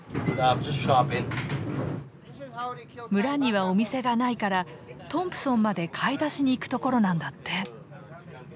村にはお店がないからトンプソンまで買い出しに行くところなんだって。